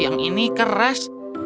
yang ini keras